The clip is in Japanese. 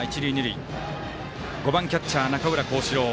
５番キャッチャー、中浦浩志朗。